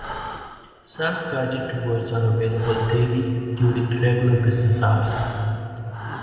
Self-guided tours are available daily during regular business hours.